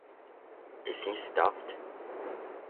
Is he stuffed?